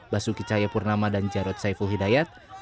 basuki caya purnama dan jarod saifuhidayat